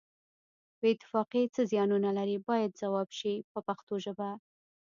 بې اتفاقي څه زیانونه لري باید ځواب شي په پښتو ژبه.